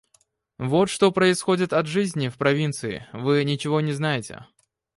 Вот что происходит от жизни в провинции, вы ничего не знаете.